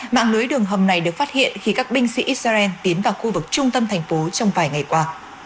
mạng lưới đường hầm này được phát hiện khi các binh sĩ israel tiến vào khu vực trung tâm thành phố trong vài ngày qua